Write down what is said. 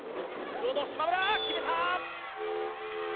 ブロード、島村決めた。